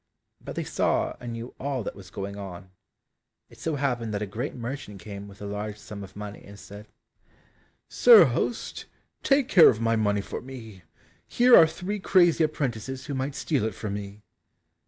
But they saw and knew all that was going on. It so happened that a great merchant came with a large sum of money, and said, "Sir host, take care of my money for me, here are three crazy apprentices who might steal it from me."